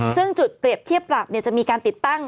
ซึ่งจุดเปรียบเทียบปรับจะมีการติดตั้ง